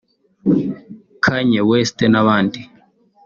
Kanye West n’abandi